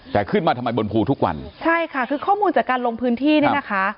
แต่ขึ้นมาทำไมบนภูทุกวันใช่ค่ะคือข้อมูลจากการลงพื้นที่เนี่ยนะคะ